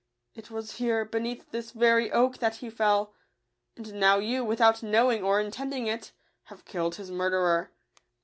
It was here, beneath this very oak, that he fell ; and now you, without knowing or intending it, have killed his murderer.